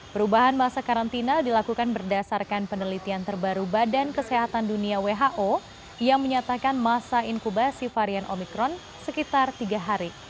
perubahan masa karantina dilakukan berdasarkan penelitian terbaru badan kesehatan dunia who yang menyatakan masa inkubasi varian omikron sekitar tiga hari